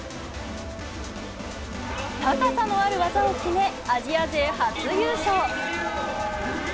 高さのある技を決め、アジア勢初優勝。